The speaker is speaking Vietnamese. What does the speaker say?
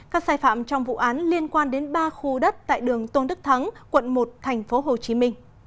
các sai phạm trong vụ án liên quan đến ba khu đất tại đường tôn đức thắng quận một tp hcm